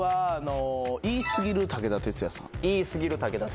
言い過ぎる武田鉄矢さん。